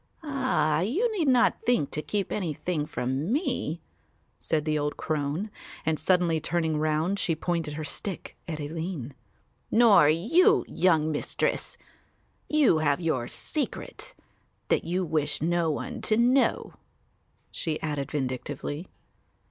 "Ah, you need not think to keep anything from me," said the old crone; and suddenly turning round, she pointed her stick at Aline, "nor you, young Mistress, you have your secret that you wish no one to know," she added vindictively.